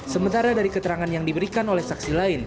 sementara dari keterangan yang diberikan oleh saksi lain